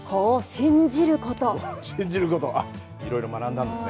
信じることをいろいろ学んだんですね。